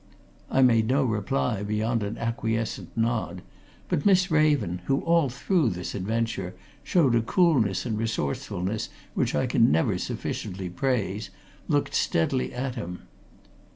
I made no reply beyond an acquiescent nod, but Miss Raven who, all through this adventure, showed a coolness and resourcefulness which I can never sufficiently praise looked steadily at him.